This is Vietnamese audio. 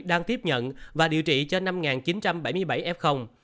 đang tiếp nhận và điều trị cho năm chín trăm bảy mươi bảy f